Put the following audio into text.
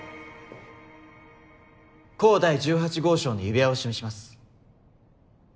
甲第１８号証の指輪を示します。